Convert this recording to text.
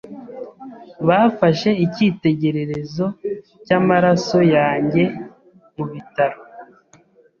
Bafashe icyitegererezo cyamaraso yanjye mubitaro.